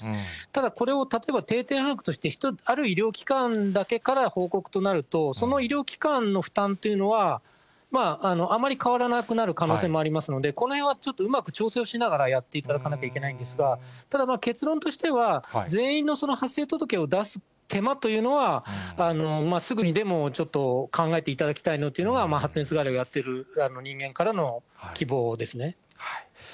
ただ、これを例えば定点把握としてある医療機関だけから報告となると、その医療機関の負担というのは、あまり変わらなくなる可能性もありますので、このへんはちょっとうまく調整をしながらやっていただかなきゃいけないんですが、ただまあ、結論としては、全員の発生届を出す手間というのは、すぐにでもちょっと考えていただきたいなというのが、発熱外来をやっている人間からの希望ですね。